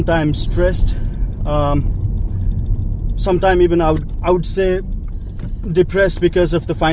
kita terkadang tertekan terkadang saya akan mengatakan tertekan